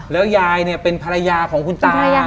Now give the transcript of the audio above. แล้วยายเป็นภรรยาของคุณตา